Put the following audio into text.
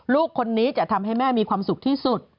ลูกคนนี้จะทำให้แม่มีความสุขที่สุด